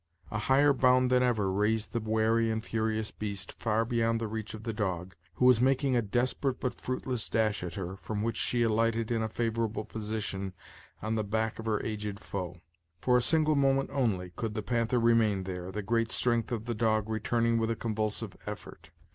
A higher bound than ever raised the wary and furious beast far beyond the reach of the dog, who was making a desperate but fruitless dash at her, from which she alighted in a favorable position, on the back of her aged foe. For a single moment only could the panther remain there, the great strength of the dog returning with a convulsive effort.